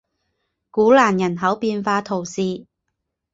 古兰人口变化图示